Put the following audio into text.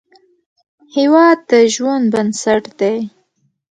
هیواد د ژوند بنسټ دی